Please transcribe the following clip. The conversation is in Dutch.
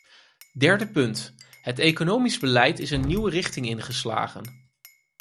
Derde punt: het economisch beleid is een nieuwe richting ingeslagen.